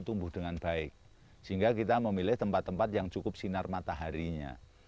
jadi kita memilih tempat tempat yang cukup sinar mataharinya